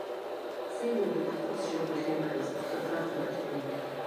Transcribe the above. Сеигәырӷьоит ҳхәыцшьақәа ахьеиқәшәаз, хырхарҭак ахьрымоу.